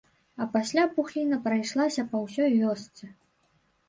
А пасля пухліна прайшлася па ўсёй вёсцы.